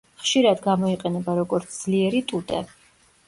ხშირად გამოიყენება როგორც ძლიერი ტუტე.